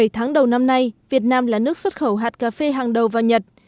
bảy tháng đầu năm nay việt nam là nước xuất khẩu hạt cà phê hàng đầu vào nhật